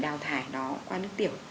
đào thải nó qua nước tiểu